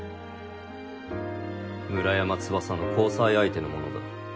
村山翼の交際相手のものだ。